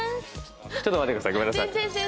ちょっと待ってくださいごめんなさい。